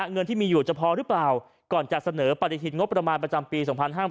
เงินที่มีอยู่จะพอหรือเปล่าก่อนจะเสนอปฏิทินงบประมาณประจำปี๒๕๕๙